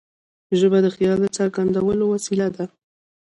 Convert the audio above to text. ژبه د خیال د څرګندولو وسیله ده.